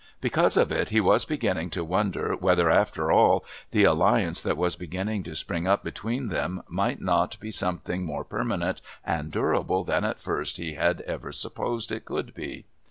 Because of it he was beginning to wonder whether after all the alliance that was beginning to spring up between them might not be something more permanent and durable than at first he had ever supposed it could be.